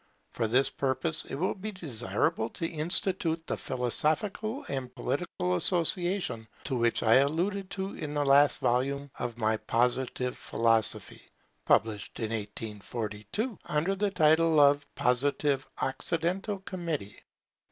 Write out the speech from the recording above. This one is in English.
For this purpose it will be desirable to institute the philosophical and political association to which I alluded in the last volume of my Positive Philosophy (published in 1842), under the title of Positive Occidental Committee.